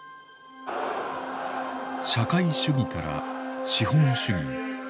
社会主義から資本主義へ。